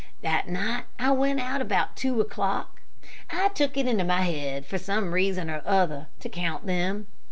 That night I went out about two o'clock. I took it into my head, for some reason or other, to count them.